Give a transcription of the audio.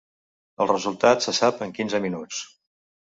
El resultat se sap en quinze minuts.